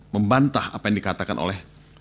membantah apa yang dikatakan oleh